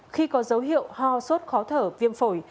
khi có dấu hiệu ho sốt khó thở viêm phổi